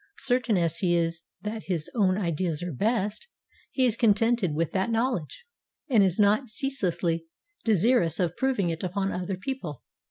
Certain as he is that his own ideas are best, he is contented with that knowledge, and is not ceaselessly desirous of proving it upon other people.